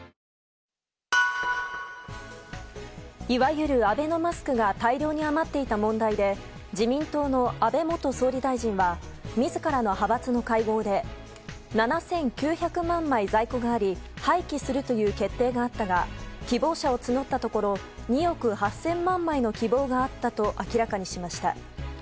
いわゆるアベノマスクが大量に余っていた問題で自民党の安倍元総理大臣は自らの派閥の会合で７９００万枚在庫があり廃棄するという決定があったが希望者を募ったところ２億８０００万枚の希望があったと明らかにしました。